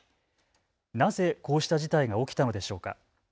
なぜこうした事態が起きたのでしょうか。